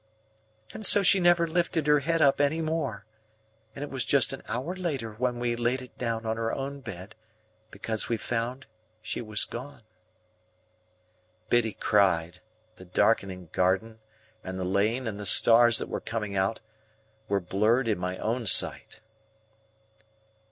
And so she never lifted her head up any more, and it was just an hour later when we laid it down on her own bed, because we found she was gone." Biddy cried; the darkening garden, and the lane, and the stars that were coming out, were blurred in my own sight.